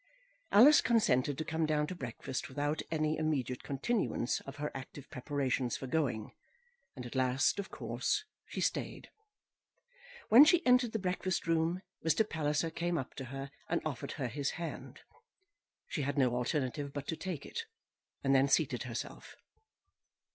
Alice consented to come down to breakfast without any immediate continuance of her active preparations for going, and at last, of course, she stayed. When she entered the breakfast room Mr. Palliser came up to her, and offered her his hand. She had no alternative but to take it, and then seated herself.